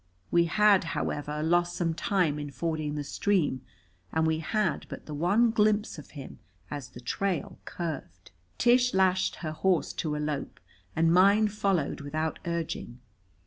We had, however, lost some time in fording the stream, and we had but the one glimpse of him as the trail curved. Tish lashed her horse to a lope, and mine followed without urging.